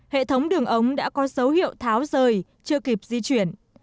hệ thống đường ống đã có dấu hiệu tháo rời chưa kịp di chuyển